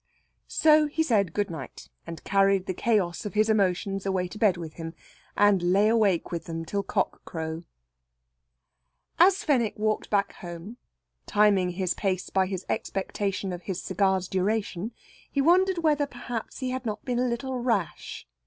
So he said good night, and carried the chaos of his emotions away to bed with him, and lay awake with them till cock crow. As Fenwick walked back home, timing his pace by his expectation of his cigar's duration, he wondered whether, perhaps, he had not been a little rash.